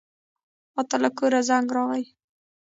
ماته له کوره زنګ راغی.